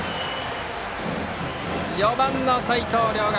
４番の齋藤崚雅